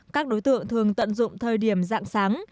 các đối tượng thường tận dụng thời điểm dạng sáng